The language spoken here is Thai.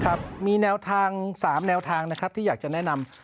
ครับมีแนวทาง๓แนวทางนะครับที่อยากจะแนะนำ